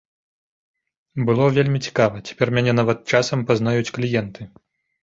Было вельмі цікава, цяпер мяне нават часам пазнаюць кліенты.